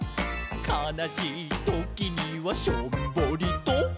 「かなしいときにはしょんぼりと」